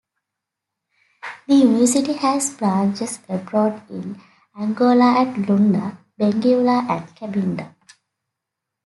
The university has branches abroad in Angola at Luanda, Benguela, and Cabinda.